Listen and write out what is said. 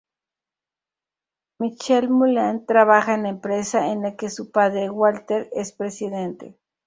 Michelle Mulan trabaja en la empresa en la que su padre Walter es presidente.